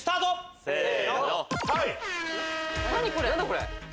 これ。